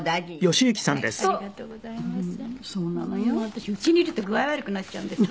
私家にいると具合悪くなっちゃうんです。